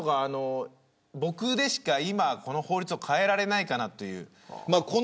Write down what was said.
僕でしか今、この法律を変えられないかなという。